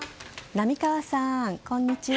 並川さん、こんにちは。